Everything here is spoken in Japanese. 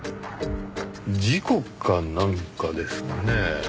事故かなんかですかね？